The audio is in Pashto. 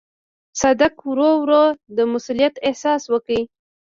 صدک ورو ورو د مسووليت احساس وکړ.